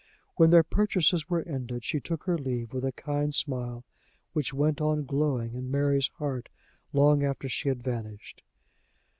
When their purchases were ended, she took her leave with a kind smile, which went on glowing in Mary's heart long after she had vanished.